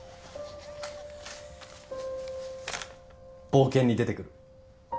冒険に出てくる。